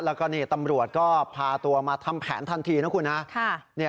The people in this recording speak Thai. แล้วก็นี่ตำรวจก็พาตัวมาทำแผนทันทีนะคุณฮะ